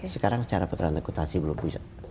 sekarang secara perantekutasi belum bisa